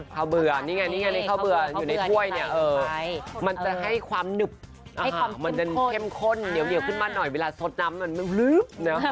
ข้าวเบื่อนี่ไงนี่ไงในข้าวเบื่ออยู่ในถ้วยเนี่ยมันจะให้ความหนึบมันจะเข้มข้นเหนียวขึ้นมาหน่อยเวลาสดน้ำมันมันพลึบเนอะ